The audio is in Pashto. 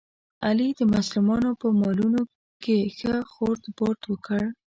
علي د مظلومانو په مالونو کې ښه خورد برد وکړ.